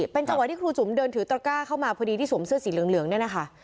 เป็นจังหวะที่ครูจุ๋มเดินถือตระก้าเข้ามาพอดีที่สวมเสื้อสีเหลืองเนี่ยนะคะ